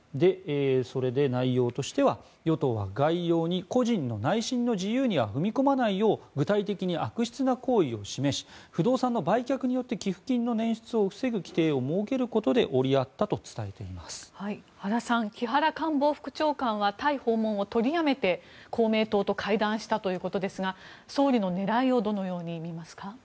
それで内容としては、与党は概要に個人の内心の自由には踏み込まないよう具体的に悪質な行為を示し不動産の売却によって寄付金の捻出を防ぐ規定を設けることで原さん、木原官房副長官はタイ訪問を取りやめて公明党と会談したということですが総理の狙いをどのように見ますか。